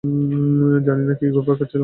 জানি না কী ঘুরপাক খাচ্ছিল মাথায়।